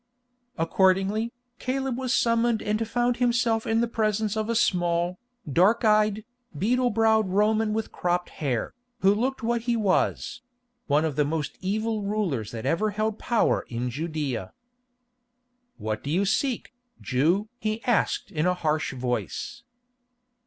Accordingly, Caleb was summoned and found himself in the presence of a small, dark eyed, beetle browed Roman with cropped hair, who looked what he was—one of the most evil rulers that ever held power in Judæa. "What do you seek, Jew?" he asked in a harsh voice.